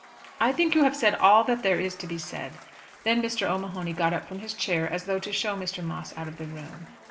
"I think you have said all that there is to be said." Then Mr. O'Mahony got up from his chair as though to show Mr. Moss out of the room.